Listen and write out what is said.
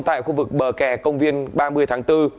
tại khu vực bờ kè công viên ba mươi tháng bốn